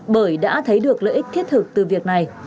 bởi đã thấy được lợi ích thiết thực từ việc này